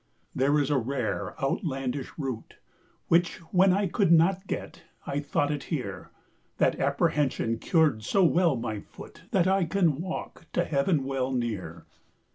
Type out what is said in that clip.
There is a rare outlandish root, Which when I could not get, I thought it here: 10 That apprehension cur'd so well my foot, That I can walk to heav'n well neare.